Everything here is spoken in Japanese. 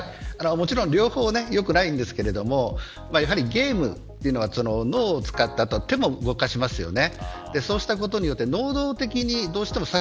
もちろん両方良くないんですけどやはりゲームというのは脳を使った手も動かしますよね。